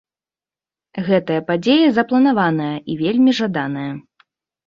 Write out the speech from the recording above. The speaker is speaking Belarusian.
Гэтая падзея запланаваная і вельмі жаданая.